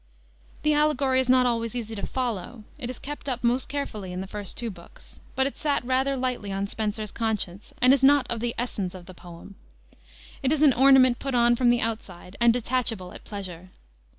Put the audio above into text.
The allegory is not always easy to follow. It is kept up most carefully in the first two books, but it sat rather lightly on Spenser's conscience, and is not of the essence of the poem. It is an ornament put on from the outside and detachable at pleasure.